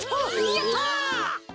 やった！